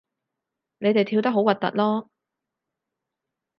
你哋跳得好核突囉